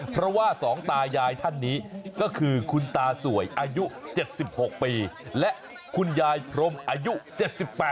เพราะว่าสองตายายท่านนี้ก็คือคุณตาสวยอายุ๗๖ปีและคุณยายพรมอายุ๗๘